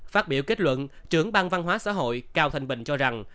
phát biểu kết luận trưởng bang văn hóa xã hội cao thanh bình cho rằng